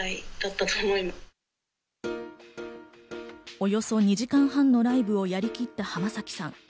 およそ２時間半のライブをやりきった浜崎さん。